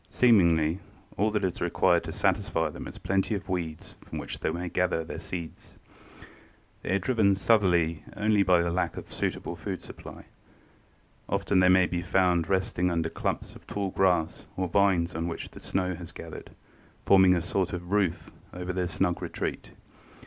Seemingly all that is required to satisfy them is a plenty of weeds from which they may gather the seeds. They are driven southerly only by a lack of a suitable food supply. Often they may be found resting under clumps of tall grass or vines on which the snow has gathered, forming a sort of roof over the snug retreat.